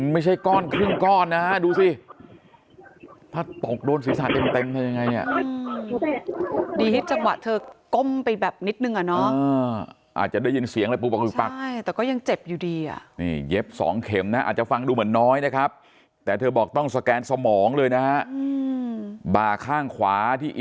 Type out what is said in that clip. ไม่ใช่ก้อนครึ่งก้อนนะดูสิถ้าตกโดนศีรษะเต็มจะยังไง